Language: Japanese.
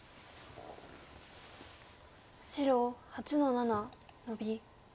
白８の七ノビ。